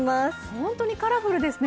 本当にカラフルですね。